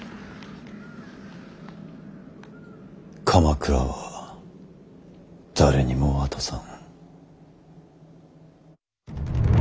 鎌倉は誰にも渡さん。